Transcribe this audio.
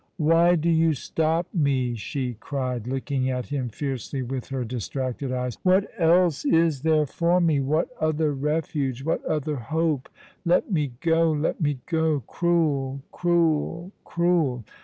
" Why do you stop me ?" she cried, looking at him fiercely with her distracted eyes. " What else is there for me ? What other refuge ? what other hope ? Let me go ! let me go ! Cruel! cruel! cruel!